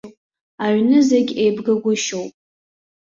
Аҩны зегь еибгагәышьоуп.